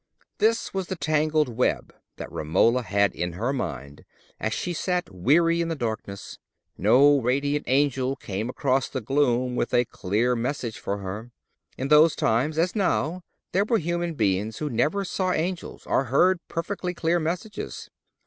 This was the tangled web that Romola had in her mind as she sat weary in the darkness. No radiant angel came across the gloom with a clear message for her. In those times, as now, there were human beings who never saw angels or heard perfectly clear messages.